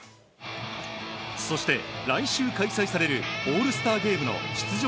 そして来週開催されるオールスターゲームの出場